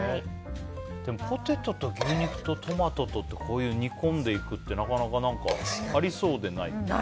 でもポテトと牛肉とトマトと煮込んでいくってなかなか、ありそうでない。